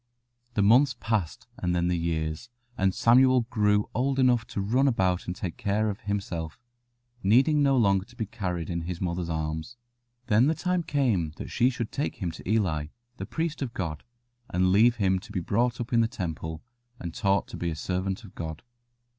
The months passed and then the years, and Samuel grew old enough to run about and take care of himself, needing no longer to be carried in his mother's arms. Then the time came that she should take him to Eli, the priest of God, and leave him to be brought up in the Temple and taught to be a servant of God.